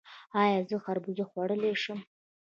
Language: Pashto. ایا زه خربوزه خوړلی شم؟